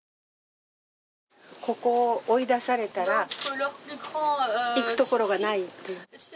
ここを追い出されたら、行くところがない。